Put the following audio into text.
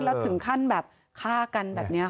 แล้วถึงขั้นแบบฆ่ากันแบบนี้ค่ะ